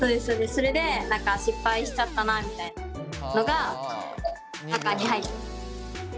それで失敗しちゃったなみたいなのがここに入ってる。